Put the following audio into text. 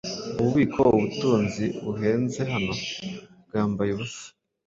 Ububiko-ubutunzi buhenzehano bwambaye ubusa